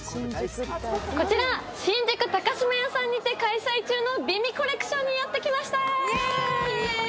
こちら、新宿高島屋さんにて開催中の美味コレクションにやってきました。